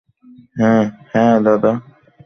হ্যাঁ, দাদা।